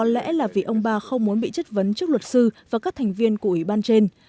có lẽ là vì ông ba không muốn bị chất vấn trước luật sư và các thành viên của ủy ban trên